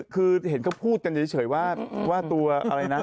คือเห็นเขาพูดกันเฉยว่าตัวอะไรนะ